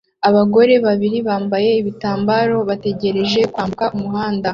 Abagore babiri bambaye ibitambara bategereje kwambuka umuhanda